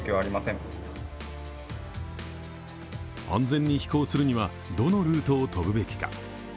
安全に飛行するにはどのルートを飛ぶべきか。